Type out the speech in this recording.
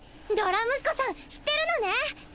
ドラムスコさん知ってるのね？